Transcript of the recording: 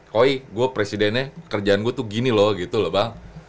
koi gue presidennya kerjaan gue tuh gini loh gitu loh bang